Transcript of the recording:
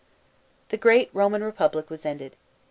" The great Roman Republic was ended.